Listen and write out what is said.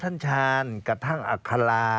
ท่านชาญกับท่านอัคลา